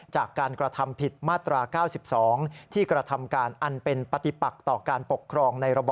จากการกระทำผิดมาตรา๙๒